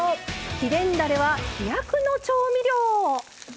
「秘伝だれは飛躍の調味料！？」。